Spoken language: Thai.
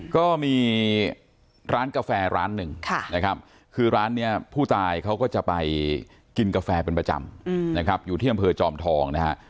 ก็มีร้านกาแฟ๑นึงคือร้านเนี่ยผู้ตายเขาก็จะไปกินกาแฟเป็นประจำนะครับอยู่ที่น้ำเผยจอมทองนะคะ